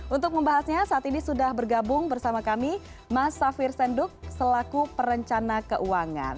untuk membahasnya saat ini sudah bergabung bersama kami mas safir senduk selaku perencana keuangan